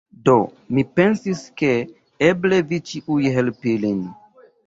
Do, mi pensis, ke eble vi ĉiuj helpi lin